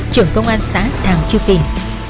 trưởng công an xã thàng chư phìn